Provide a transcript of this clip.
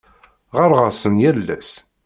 Ɣɣareɣ-asen yal ass.